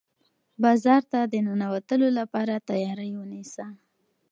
بازار ته د ننوتلو لپاره تیاری ونیسه.